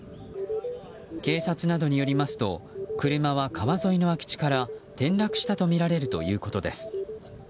警察などによりますと車は川沿いの空き地から転落したとみられるということです。